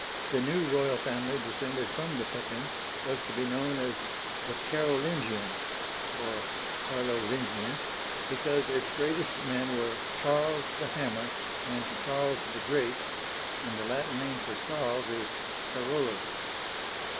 The new royal family, descended from the Pepins, was to be known as the Carolin'gians (or Carlovin'gians), because its greatest men were Charles the Hammer and Charles the Great, and the Latin name for Charles is Car'olus.